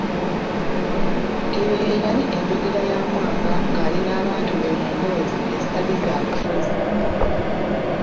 Eyo ye yali enjogera ya Mwanga ng'ali n'abantu be mu mboozi ezitali za bufuzi.